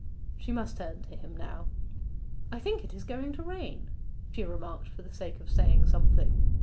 She must turn to him now. 'I think it is going to rain,' she remarked for the sake of saying something.